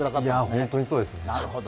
本当にそうですね。